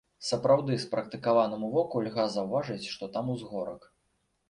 Сапраўды спрактыкаванаму воку льга заўважыць, што там узгорак.